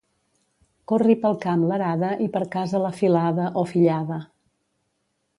Corri pel camp l'arada i per casa la filada o fillada.